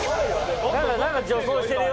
何か助走してるよ。